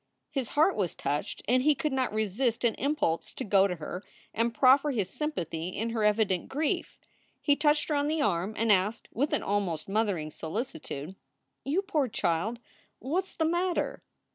His heart was touched and he could not resist an impulse to go to her and proffer his sympathy in her evident grief. He touched her on the arm and asked, with an almost mothering solicitude: "You poor child! What s the matter?"